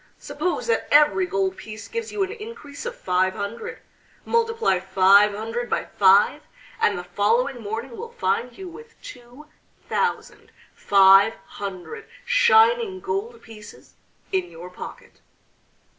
Suppose that every gold piece gives you an increase of five hundred; multiply five hundred by five, and the following morning will find you with two thousand five hundred shining gold pieces in your pocket."